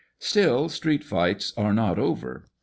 Still, street fights are not over.